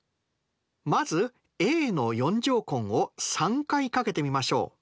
まずａの４乗根を３回掛けてみましょう。